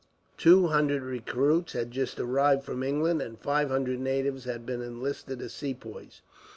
Two hundred recruits had just arrived from England, and five hundred natives had been enlisted as Sepoys.